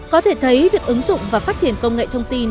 có thể thấy việc ứng dụng và phát triển công nghệ thông tin